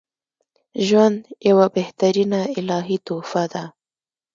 ژوند یوه بهترینه الهی تحفه ده